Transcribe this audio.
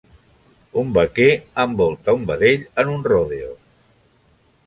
Un vaquer envolta un vedell en un rodeo.